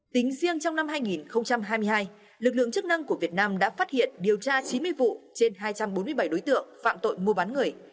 tính riêng trong năm hai nghìn hai mươi hai lực lượng chức năng của việt nam đã phát hiện điều tra chín mươi vụ trên hai trăm bốn mươi bảy đối tượng phạm tội mua bán người